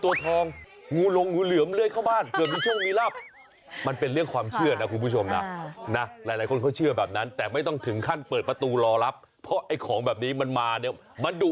แม่งแม่งแม่งแม่งแม่งแม่งแม่งแม่งแม่งแม่งแม่งแม่งแม่งแม่งแม่งแม่งแม่งแม่งแม่งแม่งแม่งแม่งแม่งแม่งแม่ง